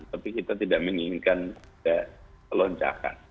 tapi kita tidak menginginkan ada loncakan